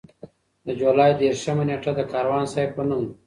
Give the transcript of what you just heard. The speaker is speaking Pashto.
د جولای دېرشمه نېټه د کاروان صیب په نوم ده.